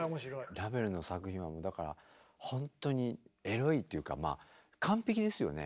ラヴェルの作品はだからほんとにエロいっていうかまあ完璧ですよね。